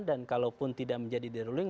dan kalaupun tidak menjadi the ruling